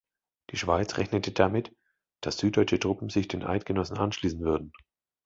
Die Schweiz rechnete damit, dass Süddeutsche Truppen sich den Eidgenossen anschliessen würden.